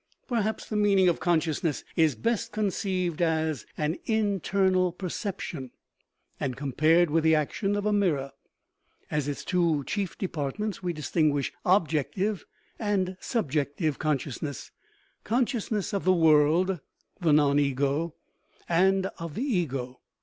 Perhaps the meaning of consciousness is best conceived as an internal perception, and compared with the action of a mirror. As its two chief departments we distinguish objective and subjective consciousness consciousness of the world, the non ego, and of the ego.